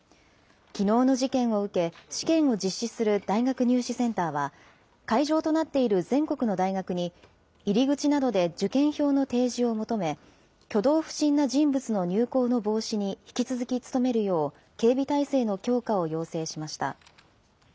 きのうの事件を受け、試験を実施する大学入試センターは、会場となっている全国の大学に、入り口などで受験票の提示を求め、挙動不審な人物の入構の防止に引き続き努めるよう、警備体制の強化を要請しました。